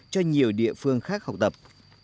cho nhiều địa phương khác học tập